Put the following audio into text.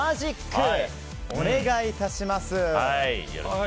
お願い致します。